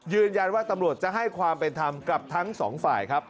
ยืนยันว่าตำรวจจะให้ความเป็นธรรมกับทั้งสองฝ่ายครับ